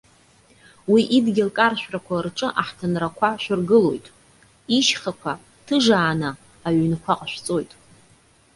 Уи идгьыл каршәрқәа рҿы аҳҭынрақәа шәыргылоит. Ишьхақәа ҭыжааны аҩнқәа ҟашәҵоит.